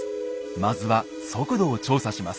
まずは速度を調査します。